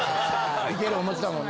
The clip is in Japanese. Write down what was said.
いける思ってたもんな。